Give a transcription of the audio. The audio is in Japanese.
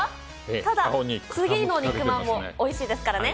ただ、次の肉まんもおいしいですからね。